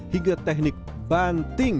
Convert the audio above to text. hingga teknik banting